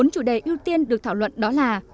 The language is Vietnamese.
bốn chủ đề ưu tiên được thảo luận đó là